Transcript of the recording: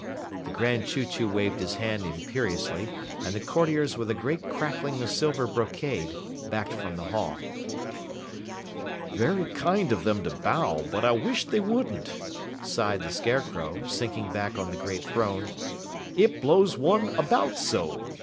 The Grand Chew Chew waved his hand imperiously, and the courtiers with a great crackling of silver brocade backed from the hall. "Very kind of them to bow, but I wish they wouldn't," sighed the Scarecrow, sinking back on the great throne. "It blows one about so.